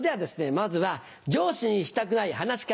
まずは上司にしたくない噺家